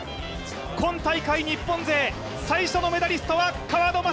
今大会日本勢、最初のメダリストは川野将